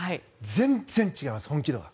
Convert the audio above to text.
全然違います、本気度が。